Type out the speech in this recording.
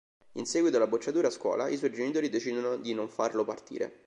In seguito alla bocciatura a scuola i suoi genitori decidono di non farlo partire.